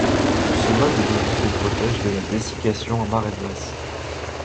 Ce mode de vie les protège de la dessiccation à marée basse.